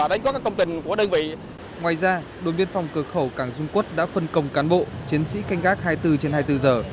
trước tình trạng trên đồn biên phòng cửa khẩu cảng dung quốc đã phân công cán bộ chiến sĩ canh gác hai mươi bốn trên hai mươi bốn giờ